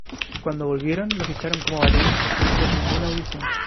Cuando volvieron, lo ficharon como baterista sin hacer ninguna audición.